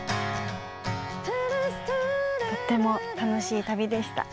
とっても楽しい旅でした。